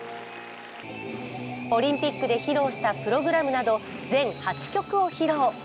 オリンピックで披露したプログラムなど全８曲を披露。